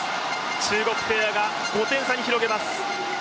中国ペアが５点差に広げます。